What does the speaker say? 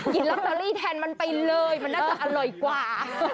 ลอตเตอรี่แทนมันไปเลยมันน่าจะอร่อยกว่า